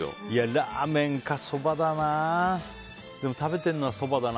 ラーメンかそばだな。